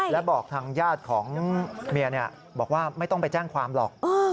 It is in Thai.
และบอกทางญาติของเมียบอกว่าไม่ต้องไปแจ้งความหรอก